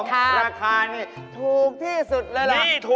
ราคานี่ถูกที่สุดเลยล่ะ